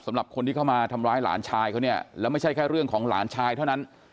สำหรับคนที่เข้ามาทำร้ายหลานชายเขาเนี่ยแล้วไม่ใช่แค่เรื่องของหลานชายเท่านั้น